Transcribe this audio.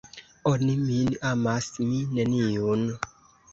Oni min amas, mi neniun!